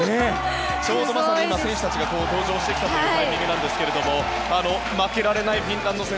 ちょうど選手たちが登場してきたというタイミングなんですが負けられないフィンランド戦。